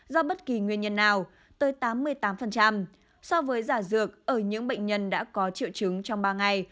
do bất kỳ nguyên nhân nào tới tám mươi tám so với giả dược ở những bệnh nhân đã có triệu chứng trong ba ngày